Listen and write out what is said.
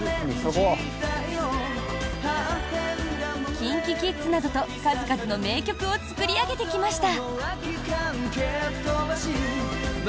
ＫｉｎＫｉＫｉｄｓなどと数々の名曲を作り上げてきました。